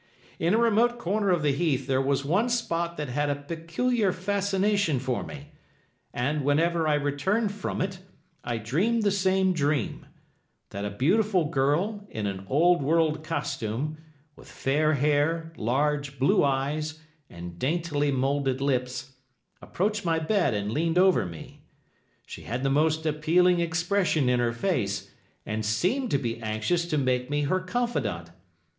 In a remote corner of the heath there was one spot that had a peculiar fascination for me, and, whenever I returned from it, I dreamed the same dream—that a beautiful girl in an old world costume, with fair hair, large, blue eyes and daintily moulded lips, approached my bed and leaned over me. She had the most appealing expression in her face, and seemed to be anxious to make me her confidant.